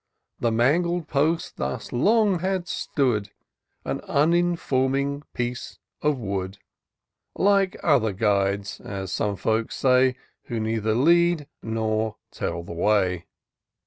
The mangled post thus long had stood, An uninforming piece of wood ; Like other guides, as some folks say. Who neither lead, nor tell the way.